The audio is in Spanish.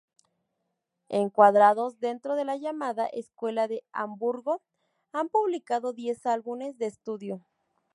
Encuadrados dentro de la llamada Escuela de Hamburgo, han publicado diez álbumes de estudio.